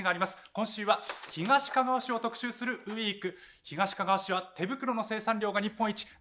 今週は東かがわ市を特集するウイーク。